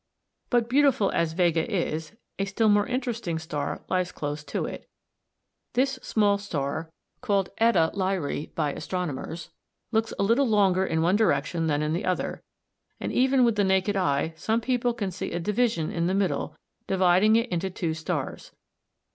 But beautiful as Vega is, a still more interesting star lies close to it (see Fig. 58). This small star, called [Greek: e] Lyræ by astronomers, looks a little longer in one direction than in the other, and even with the naked eye some people can see a division in the middle dividing it into two stars.